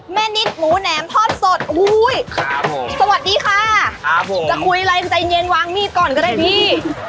นิดหมูแหนมทอดสดอุ้ยครับผมสวัสดีค่ะครับผมจะคุยอะไรใจเย็นวางมีดก่อนก็ได้พี่